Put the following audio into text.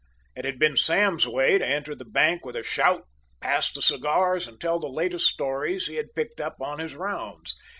It had been Sam's way to enter the bank with a shout, pass the cigars, and tell the latest stories he had picked up on his rounds.